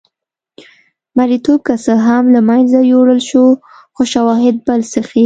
مریتوب که څه هم له منځه یووړل شو خو شواهد بل څه ښيي.